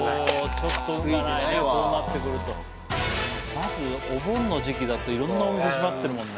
まずお盆の時期だといろんなお店閉まってるもんね。